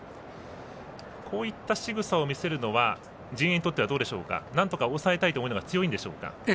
こういったしぐさを見せるのは陣営としてはなんとか抑えたいという思いが強いんでしょうか？